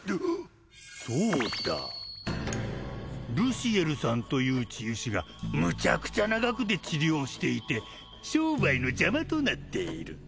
そうだ「ルシエルさんという治癒士がむちゃくちゃな額で治療していて」「商売の邪魔となっている」